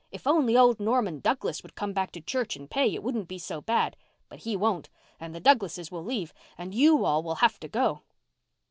If only old Norman Douglas would come back to church and pay, it wouldn't be so bad. But he won't—and the Douglases will leave—and you all will have to go."